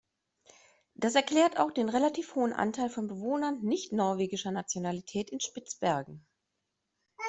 Das erklärt auch den relativ hohen Anteil von Bewohnern nicht-norwegischer Nationalität in Spitzbergen.